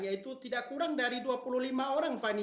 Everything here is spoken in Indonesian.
yaitu tidak kurang dari dua puluh lima orang fani